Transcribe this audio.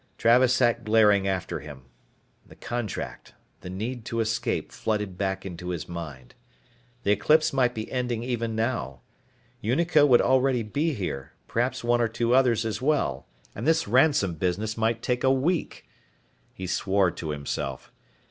Travis sat glaring after him. The contract, the need to escape flooded back into his mind. The eclipse might be ending even now. Unico would already be here, probably one or two others as well. And this ransom business might take a week. He swore to himself.